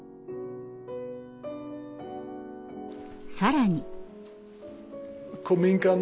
更に。